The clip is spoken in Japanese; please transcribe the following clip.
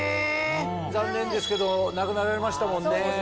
残念ですけど亡くなられましたもんね。